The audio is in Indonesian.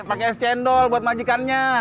pakai es cendol buat majikannya